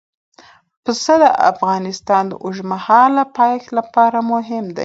پسه د افغانستان د اوږدمهاله پایښت لپاره مهم دی.